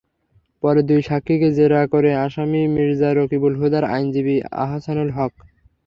পরে দুই সাক্ষীকে জেরা করেন আসামি মির্জা রকিবুল হুদার আইনজীবী আহসানুল হক।